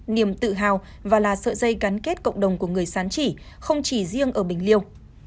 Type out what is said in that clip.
niềm tự hào và là sợi dây gắn kết cộng đồng của người sán chỉ không chỉ riêng ở bình liêu